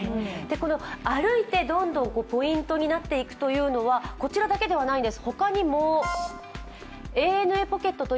歩いてどんどんポイントになっていくというのはこちらだけではないんです。